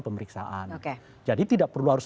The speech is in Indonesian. pemeriksaan jadi tidak perlu harus